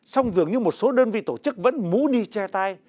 song dường như một số đơn vị tổ chức vẫn mú đi che tay